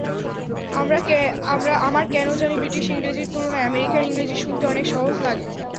আমার কেন জানি, ব্রিটিশ ইংরেজির তুলনায় আমেরিকান ইংরেজি শুনতে অনেক সহজ লাগে।